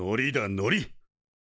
のり？